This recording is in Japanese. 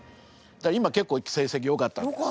今結構成績よかったんです。